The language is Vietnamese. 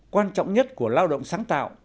quan trọng nhất của lao động sáng tạo